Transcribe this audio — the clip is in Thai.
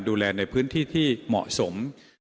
ดูแลในพื้นที่ที่เหมาะสม